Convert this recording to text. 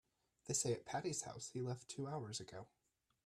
They say at Patti's house he left two hours ago.